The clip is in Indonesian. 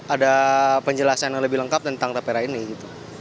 ada penjelasan yang lebih lengkap tentang tapera ini gitu